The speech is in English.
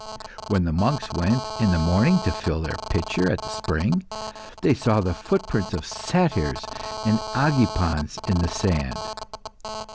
When the monks went in the morning to fill their pitcher at the spring, they saw the footprints of Satyrs and Aigipans in the sand.